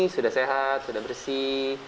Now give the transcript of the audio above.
sudah sehat sudah bersih